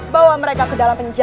bawa mereka ke dalam penjara